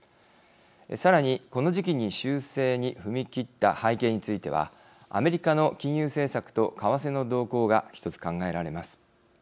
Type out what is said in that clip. さらに、この時期に修正に踏み切った背景についてはアメリカの金融政策と為替の動向が１つ考えられます。